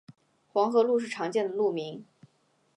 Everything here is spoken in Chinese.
黄河路是常见的路名。